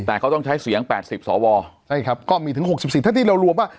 แต่เขาต้องใช้เสียงแปดสิบสอวรใช่ครับก็มีถึงหกสิบสี่ท่านที่เรารวมว่า